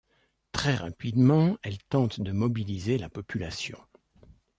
Très rapidement, elle tente de mobiliser la population.